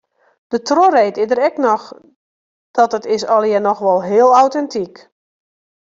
De trochreed is der ek noch, dus dat is allegear noch wol heel autentyk.